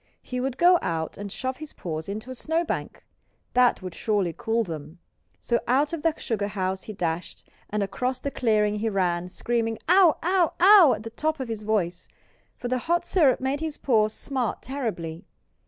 He would go out and shove his paws into a snowbank. That would surely cool them. So out of the sugar house he dashed and across the clearing he ran, screaming "Ough! ough! ough!" at the top of his voice, for the hot syrup made his paws smart terribly.